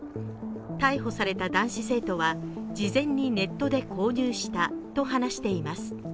逮捕された男子生徒は、事前にネットで購入したと話しています。